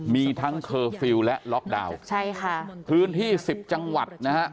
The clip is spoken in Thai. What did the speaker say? มีทั้งเคอร์ฟิลล์และล็อกดาวน์ใช่ค่ะพื้นที่สิบจังหวัดนะฮะ